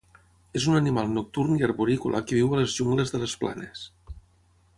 És un animal nocturn i arborícola que viu a les jungles de les planes.